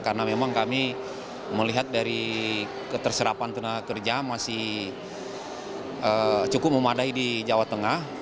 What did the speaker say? karena memang kami melihat dari keterserapan tenaga kerja masih cukup memadai di jawa tengah